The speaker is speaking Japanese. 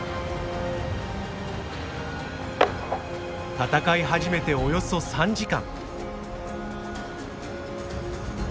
闘い始めておよそ３時間。